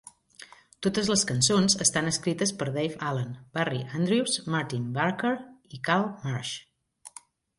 Totes les cançons estan escrites per Dave Allen, Barry Andrews, Martyn Barker i Carl Marsh.